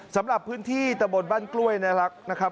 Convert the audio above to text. สำหรับพื้นที่ตะบนบ้านกล้วยในรักนะครับ